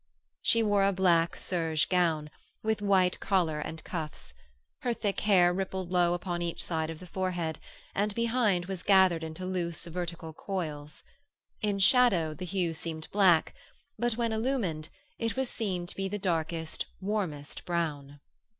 She wore a black serge gown, with white collar and cuffs; her thick hair rippled low upon each side of the forehead, and behind was gathered into loose vertical coils; in shadow the hue seemed black, but when illumined it was seen to be the darkest, warmest brown.